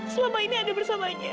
selama ini ada bersamanya